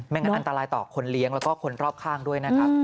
งั้นอันตรายต่อคนเลี้ยงแล้วก็คนรอบข้างด้วยนะครับ